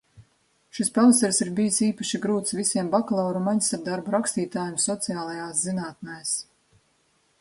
Šis pavasaris ir bijis īpaši grūts visiem bakalaura un maģistra darbu rakstītājiem sociālajās zinātnes.